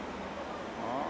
ああ。